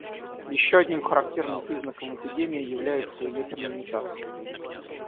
Еще одним характерным признаком эпидемии является ее феминизация.